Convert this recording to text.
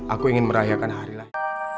aku ingin merayakan hari lain